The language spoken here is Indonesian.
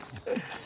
bisa puluhan juta